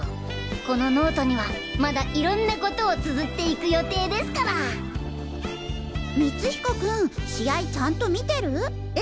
このノートにはまだいろんなことをつづっていく予定ですから光彦君試合ちゃんと見てる？え？